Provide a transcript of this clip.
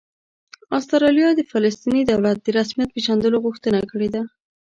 استرالیا د فلسطیني دولت د رسمیت پېژندلو غوښتنه کړې ده